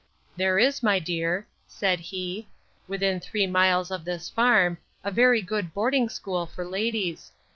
There is, my dear, said he, within three miles of this farm, a very good boarding school for ladies.